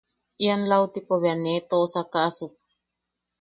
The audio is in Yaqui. Ian lautipo bea nee toʼosakaʼasuk.